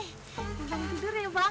bisa tidur ya bang